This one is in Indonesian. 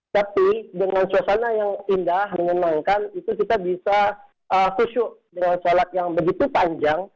tapi dengan suasana yang indah menyenangkan itu kita bisa khusyuk dengan sholat yang begitu panjang